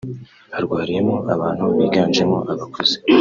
harwariyemo abantu biganjemo abakuze